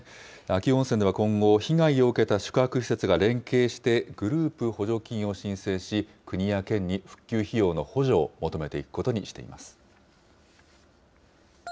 秋保温泉では今後、被害を受けた宿泊施設が連携してグループ補助金を申請し、国や県に復旧費用の補助を求めていくことにしています。